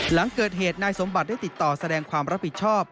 หลังเกิดเหตุนายสมบัติได้ติดต่อแสดงความรับผิดชอบ